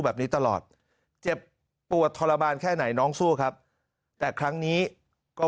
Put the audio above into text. แบบนี้ตลอดเจ็บปวดทรมานแค่ไหนน้องสู้ครับแต่ครั้งนี้ก็